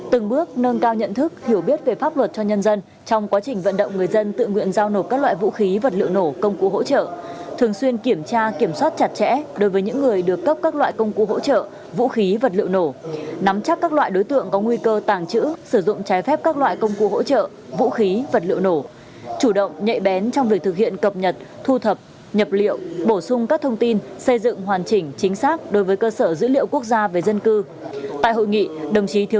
từng bước nâng cao nhận thức hiểu biết về pháp luật cho nhân dân trong quá trình vận động người dân tự nguyện giao nộp các loại vũ khí vật liệu nổ công cụ hỗ trợ thường xuyên kiểm tra kiểm soát chặt chẽ đối với những người được cấp các loại công cụ hỗ trợ vũ khí vật liệu nổ nắm chắc các loại đối tượng có nguy cơ tàng trữ sử dụng trái phép các loại công cụ hỗ trợ vũ khí vật liệu nổ chủ động nhạy bén trong việc thực hiện cập nhật thu thập nhập liệu bổ sung các thông tin xây dựng hoàn chỉnh chính xác đối với